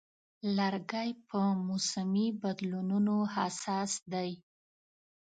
لرګی په موسمي بدلونونو حساس دی.